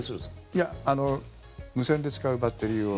いや無線で使うバッテリーを。